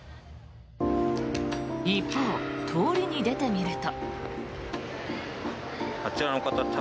一方、通りに出てみると。